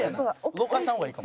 動かさん方がいいかも。